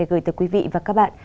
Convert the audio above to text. để gửi tới quý vị và các bạn